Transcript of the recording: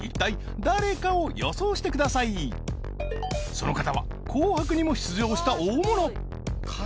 ［その方は『紅白』にも出場した大物］